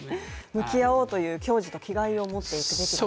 向き合おうという矜持と気概を持っていくべきだと。